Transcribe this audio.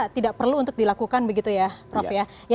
tidak perlu dilakukan begitu ya prof